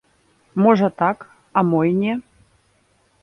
Можа так, а мо й не.